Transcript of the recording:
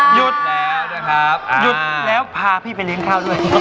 หยุดค่ะ